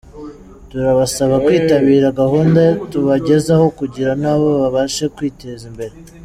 Turabasaba kwitabira gahunda tubagezaho kugira nabo babashe kwiteza imbere.